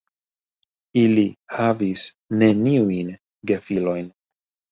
Ili havis neniujn gefilojn.